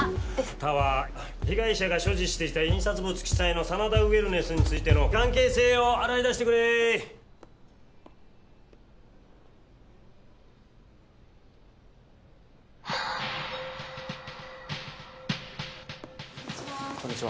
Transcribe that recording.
田は被害者が所持していた印刷物記載の真田ウェルネスについての関係性を洗い出してくれこんにちは